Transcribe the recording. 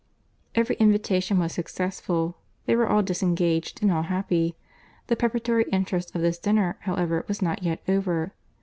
Every invitation was successful. They were all disengaged and all happy.—The preparatory interest of this dinner, however, was not yet over.